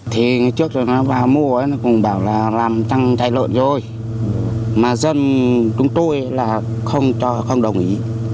thì trước nó vào mua nó cũng bảo là làm trang trại lợn rồi mà dân chúng tôi là không cho không đồng ý